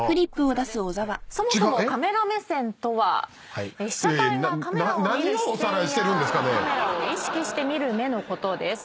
そもそもカメラ目線とは被写体がカメラを見る視線やカメラを意識して見る目のことです。